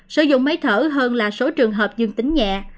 sử dụng máy thở hơn là số trường hợp dương tính nhẹ